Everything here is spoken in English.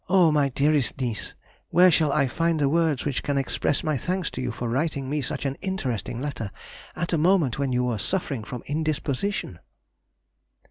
my dearest niece, where shall I find words which can express my thanks to you for writing me such an interesting letter, at a moment when you were suffering from indisposition!